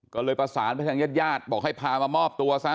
ก็เลยประสานไปทางญาติญาติบอกให้พามามอบตัวซะ